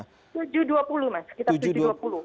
tujuh dua puluh mas sekitar tujuh dua puluh